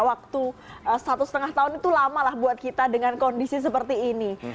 waktu satu setengah tahun itu lama lah buat kita dengan kondisi seperti ini